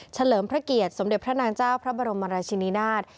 เลิมพระเกียรติสมเด็จพระนางเจ้าพระบรมราชินินาศ